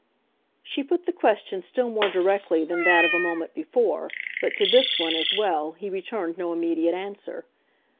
She put the question still more directly than that of a moment before, but to this one, as well, he returned no immediate answer.